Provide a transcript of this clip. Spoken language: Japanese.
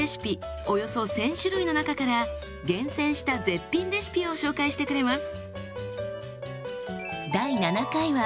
およそ１，０００種類の中から厳選した絶品レシピを紹介してくれます。